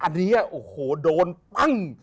อันนี้โอ้โหโดนปั้ง